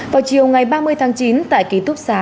vào chiều ngày ba mươi tháng chín tại ký túc xá